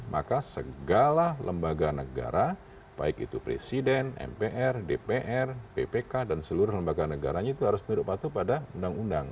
maka segala lembaga negara baik itu presiden mpr dpr ppk dan seluruh lembaga negaranya itu harus tunduk patuh pada undang undang